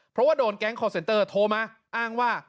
เพราะว่าโดนแก๊งคอร์เซ็นเตอร์โทรมาอ้างว่า